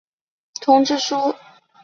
通知书。